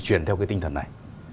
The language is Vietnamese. chuyển theo cái tinh thần này